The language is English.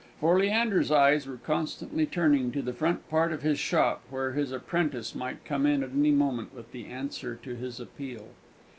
For Leander's eyes were constantly turning to the front part of his shop, where his apprentice might come in at any moment with the answer to his appeal.